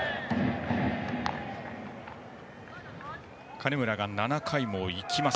金村が７回もいきます。